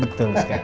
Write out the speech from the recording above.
betul pak tommy